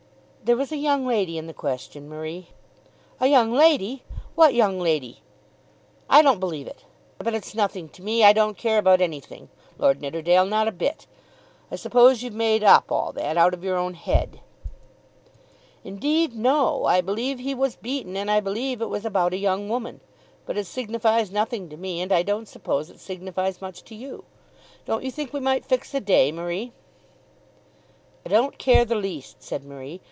"There was a young lady in the question, Marie." "A young lady! What young lady? I don't believe it. But it's nothing to me. I don't care about anything, Lord Nidderdale; not a bit. I suppose you've made up all that out of your own head." "Indeed, no. I believe he was beaten, and I believe it was about a young woman. But it signifies nothing to me, and I don't suppose it signifies much to you. Don't you think we might fix a day, Marie?" "I don't care the least," said Marie.